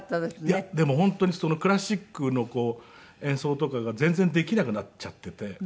いやでも本当にクラシックの演奏とかが全然できなくなっちゃっていて。